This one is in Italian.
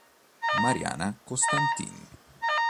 Mariana Constantin